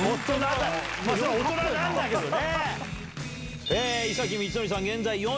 そりゃ大人なんだけどね。